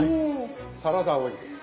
サラダオイル。